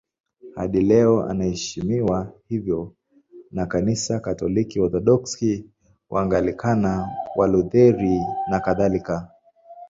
Hadi leo anaheshimiwa hivyo na Kanisa Katoliki, Waorthodoksi, Waanglikana, Walutheri nakadhalika.